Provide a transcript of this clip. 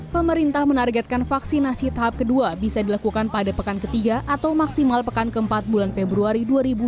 pemerintah menargetkan vaksinasi tahap kedua bisa dilakukan pada pekan ketiga atau maksimal pekan keempat bulan februari dua ribu dua puluh